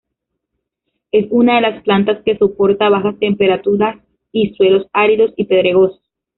Es una de las plantas que soporta bajas temperaturas y suelos áridos y pedregosos.